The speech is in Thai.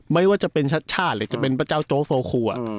ไม่ว่าจะเป็นชัดชาติหรือจะเป็นพระเจ้าโจ๊โฟครัว